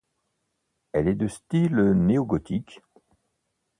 Elle est de style néo-gothique.